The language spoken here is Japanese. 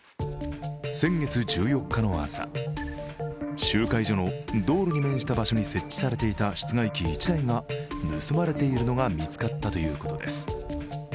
先月１４日の朝、集会所の道路に面した場所に設置されていた１台が盗まれているのが見つかったということです。